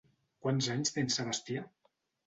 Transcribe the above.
Quants anys té en Sebastià?